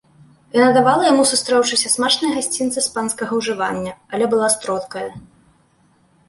Яна давала яму, сустрэўшыся, смачныя гасцінцы з панскага ўжывання, але была стродкая.